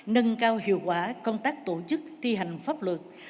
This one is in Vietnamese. nâng cao hiệu quả công tác tổ chức thi hành pháp luật